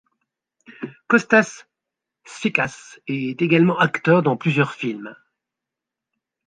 Kostas Sfikas est également acteur dans plusieurs films.